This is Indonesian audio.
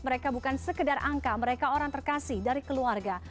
mereka bukan sekedar angka mereka orang terkasih dari keluarga